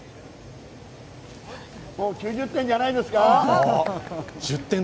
９０点じゃないですか。